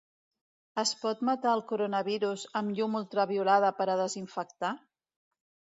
Es pot matar el coronavirus amb llum ultraviolada per a desinfectar?